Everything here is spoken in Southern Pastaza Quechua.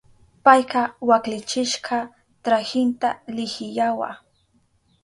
Payka waklichishka trahinta lihiyawa.